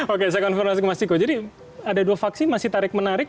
oke saya konfirmasi ke mas ciko jadi ada dua faksi masih tarik menarik